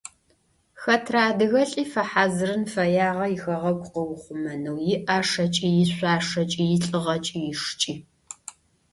Хэтрэ адыгэлӀи фэхьазырын фэягъэ ихэгъэгу къыухъумэнэу иӀашэкӀи, ишъуашэкӀи, илӀыгъэкӀи, ишыкӀи.